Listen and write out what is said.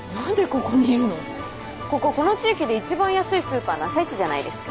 こここの地域で一番安いスーパーの朝市じゃないですか。